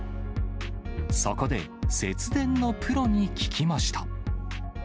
そこで、節電のプロに聞きました。